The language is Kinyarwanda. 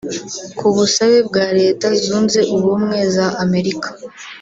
Ku busabe bwa Leta Zunze Ubumwe za Amerika